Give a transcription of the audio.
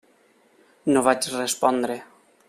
No vaig respondre.